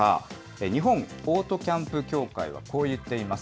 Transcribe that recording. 日本オートキャンプ協会はこう言っています。